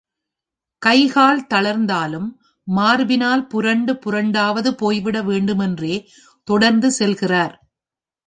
கைகால் தளர்ந்தாலும், மார்பினால் புரண்டு புரண்டாவது போய்விட வேண்டும் என்றே தொடர்ந்து செல்கிறார்.